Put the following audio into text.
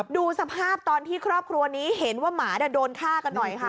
ดูสภาพตอนที่ครอบครัวนี้เห็นว่าหมาโดนฆ่ากันหน่อยค่ะ